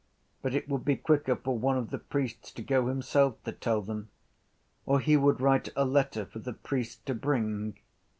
But it would be quicker for one of the priests to go himself to tell them. Or he would write a letter for the priest to bring.